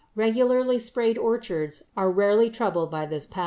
Regularly sprayed orchards are rarely troubled by this pest.